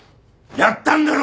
やったんだろ？